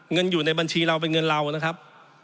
เงินอยู่ในบัญชีเราเป็นเงินเรานะครับ